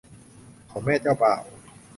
ของแม่เจ้าบ่าว